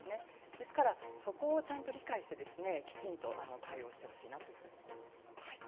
ですからそこをちゃんと理解して、きちんと対応してほしいなと思います。